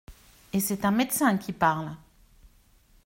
Et c’est un médecin qui parle !